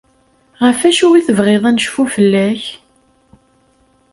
Ɣef acu i tebɣiḍ ad necfu fell-ak?